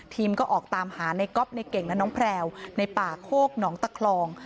ทีมก็ออกตามหานายก๊อปนายเก่งน้องแพรวนายป่าโฆกน้องตะคลอง